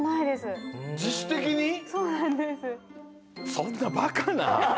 そんなバカな！